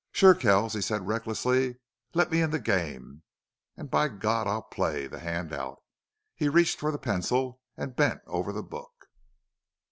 "Sure, Kells," he said, recklessly. "Let me in the game.... And by God I'll play the hand out!" He reached for the pencil and bent over the book.